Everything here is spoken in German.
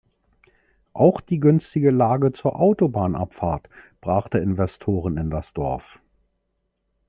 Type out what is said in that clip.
Auch die günstige Lage zur Autobahnabfahrt brachte Investoren in das Dorf.